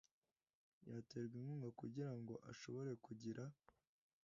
yaterwa inkunga kugira ngo ashobore kugira